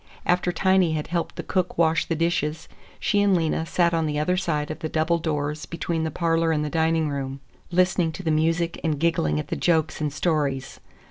After Tiny had helped the cook wash the dishes, she and Lena sat on the other side of the double doors between the parlor and the dining room, listening to the music and giggling at the jokes and stories.